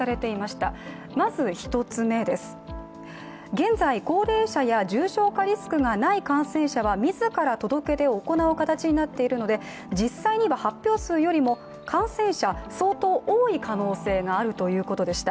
現在、高齢者や重症化リスクがない感染者は自ら、届け出を行う形になっているので、実際には発表数よりも感染者、相当多い可能性があるということでした。